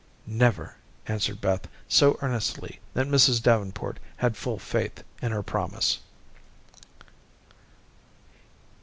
"Never," answered Beth so earnestly that Mrs. Davenport had full faith in her promise.